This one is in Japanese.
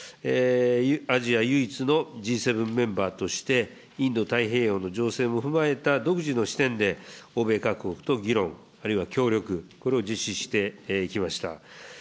アジア唯一のＧ７メンバーとして、インド太平洋の情勢も踏まえた独自の視点で、欧米各国と議論、あるいは協力、これを実施してきました。